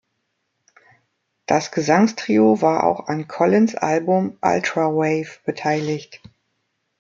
Das Gesangstrio war auch an Collins’ Album "Ultra Wave" beteiligt.